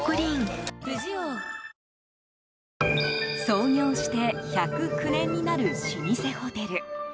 創業して１０９年になる老舗ホテル。